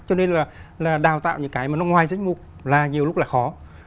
cho nên là đào tạo những cái mà nó ngoài danh mục là nhiều lúc là khó